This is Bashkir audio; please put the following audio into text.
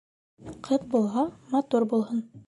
Ҡыҙ булһа, матур булһын.